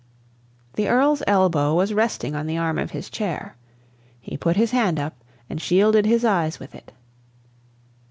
The Earl's elbow was resting on the arm of his chair; he put his hand up and shielded his eyes with it.